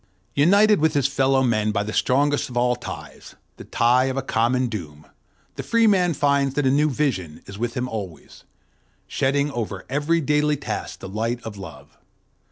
United with his fellow men by the strongest of all ties, the tie of a common doom, the free man finds that a new vision is with him always, shedding over every daily task the light of love.